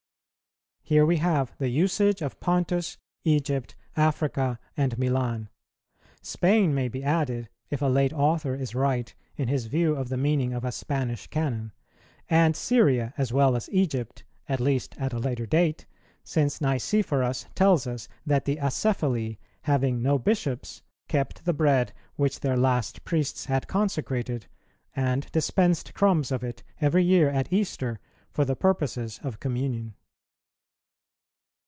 Here we have the usage of Pontus, Egypt, Africa, and Milan. Spain may be added, if a late author is right in his view of the meaning of a Spanish Canon;[132:2] and Syria, as well as Egypt, at least at a later date, since Nicephorus[132:3] tells us that the Acephali, having no Bishops, kept the Bread which their last priests had consecrated, and dispensed crumbs of it every year at Easter for the purposes of Communion.